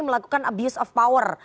melakukan abuse of power